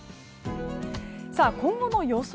今後の予想